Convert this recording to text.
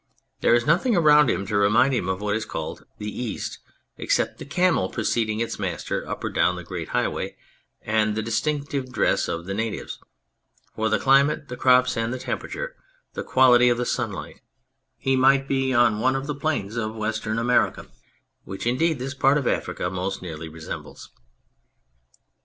There is nothing around him to remind him of what is called "The East," except the camel pre ceding its master up or down the great highway and the distinctive dress of the natives ; for the climate, the crops, and the temperature, the quality of the sunlight, he might be on one of the plains of Western America, which indeed this part of Africa most nearly resembles.